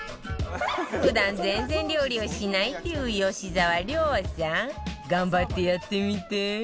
普段全然料理をしないっていう吉沢亮さん頑張ってやってみて